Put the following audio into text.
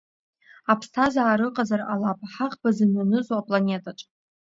Аԥсҭазаара ыҟазар ҟалап ҳаӷба зымҩанызоу апланетаҿ.